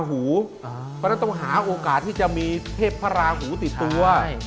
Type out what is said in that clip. คือต้องหาโอกาสที่จะมีเทพภรราหูติดตัว